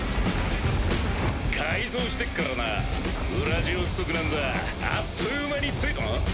改造してっからなウラジオストクなんざあっという間に着いあっ？